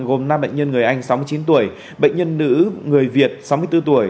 gồm năm bệnh nhân người anh sáu mươi chín tuổi bệnh nhân nữ người việt sáu mươi bốn tuổi